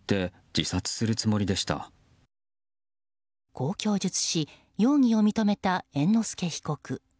こう供述し容疑を認めた猿之助被告。